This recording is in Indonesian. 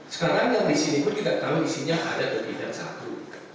sekarang yang di sini pun kita tahu isinya ada di bidang satu